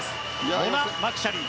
モナ・マクシャリー。